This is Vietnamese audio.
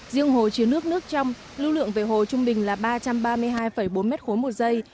riêng hồ chứa nước nước trong lưu lượng về hồ trung bình là ba trăm ba mươi hai bốn m ba một giây